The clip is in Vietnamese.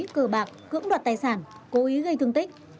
cờ bạc cưỡng đoạt tài sản cố ý gây thương tích